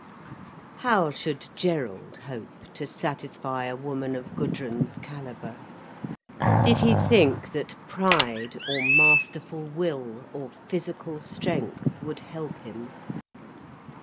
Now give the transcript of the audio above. How should Gerald hope to satisfy a woman of Gudrun's calibre? Did he think that pride or masterful will or physical strength would help him?